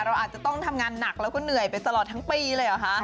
เราอาจจะต้องทำงานหนักแล้วก็เหนื่อยไปตลอดทั้งปีเลยเหรอคะ